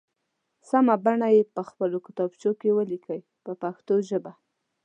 سمه بڼه یې په خپلو کتابچو کې ولیکئ په پښتو ژبه.